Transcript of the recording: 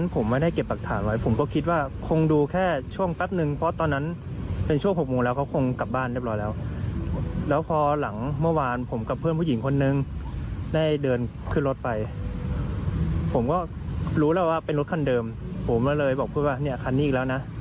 ผมก็เลยบอกเพื่อนว่าเนี่ยคันนี้อีกแล้วนะ